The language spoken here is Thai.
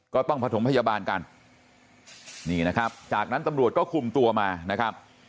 ก็ต้องผสมพยาบาลกันนี่นะครับจากนั้นตำรวจก็คุมตัวมานะครับ